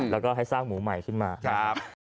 แล้วก็ให้สร้างหมูใหม่ขึ้นมานะครับ